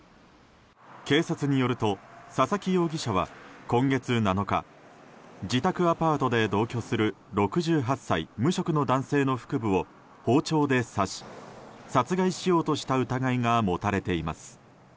警察によると、佐々木容疑者は今月７日自宅アパートで同居する６８歳無職の男性の腹部を包丁で刺し殺害しようとした疑いが持たれています。